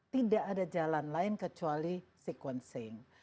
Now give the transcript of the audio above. tidak ada jalan lain kecuali sequencing